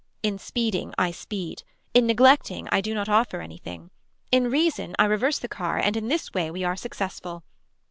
In speeding I speed. In neglecting I do not offer anything. In reason I reverse the car and in this way we are successful.